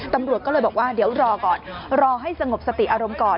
ตำรวจก็เลยบอกว่าเดี๋ยวรอก่อนรอให้สงบสติอารมณ์ก่อน